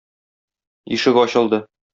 Ишек ачылды.